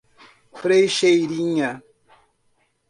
Frecheirinha